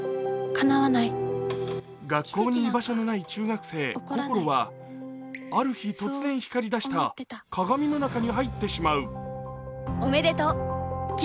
学校に居場所のない中学生、こころはある日、突然光りだした鏡の中に入ってしまう。